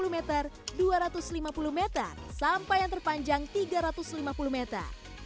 dua puluh meter dua ratus lima puluh meter sampai yang terpanjang tiga ratus lima puluh meter